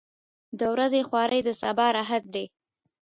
• د ورځې خواري د سبا راحت دی.